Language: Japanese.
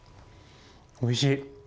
おいしい！